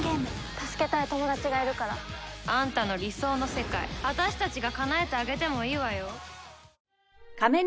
助けたい友達がいるから。あんたの理想の世界私たちがかなえてあげてもいいわよ。